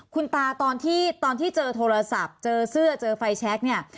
คุณตาตอนที่ตอนที่เจอโทรศัพท์เจอเสื้อเจอไฟแชคเนี่ย